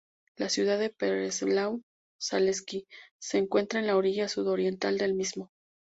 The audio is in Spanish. La ciudad de Pereslavl-Zaleski se encuentra en la orilla sudoriental del mismo.